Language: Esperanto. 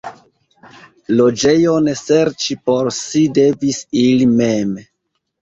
Loĝejon serĉi por si devis ili mem.